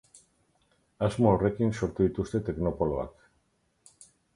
Asmo horrekin sortu dituzte teknopoloak.